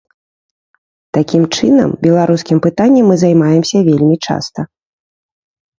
Такім чынам, беларускім пытаннем мы займаемся вельмі часта.